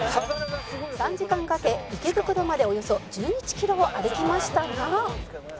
「３時間かけ池袋までおよそ１１キロを歩きました」